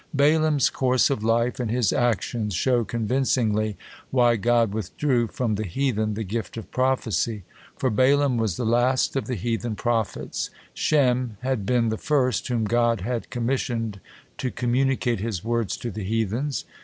Balaam's course of life and his actions show convincingly why God withdrew from the heathen the gift of prophecy. For Balaam was the last of the heathen prophets. Shem had been the first whom God had commissioned to communicate His words to the heathens.